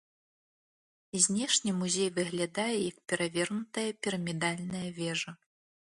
Знешне музей выглядае як перавернутая пірамідальная вежа.